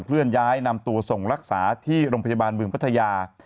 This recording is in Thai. เลื่อนย้ายนำตัวส่งรักษาที่โรงพยาบาลบึงพัทยา